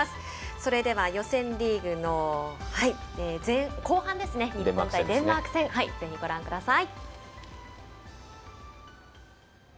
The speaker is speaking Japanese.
それでは予選リーグの後半デンマーク戦ぜひご覧ください。